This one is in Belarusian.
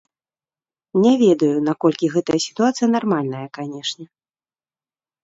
Не ведаю, наколькі гэтая сітуацыя нармальная, канешне.